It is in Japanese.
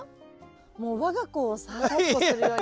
もう我が子をだっこするように。